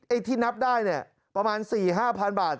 ที่นับได้เนี่ยประมาณ๔๕๐๐๐บาท